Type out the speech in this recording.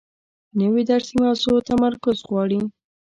نوې درسي موضوع تمرکز غواړي